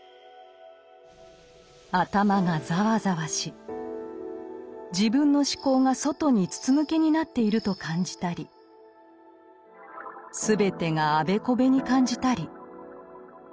頭が「ざわざわ」し自分の思考が外に「つつぬけ」になっていると感じたり全てが「あべこべ」に感じたり。